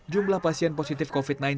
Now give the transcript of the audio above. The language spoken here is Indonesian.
jumlah pasien positif covid sembilan belas